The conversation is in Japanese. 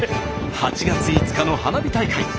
８月５日の花火大会。